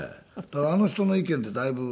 だからあの人の意見でだいぶ。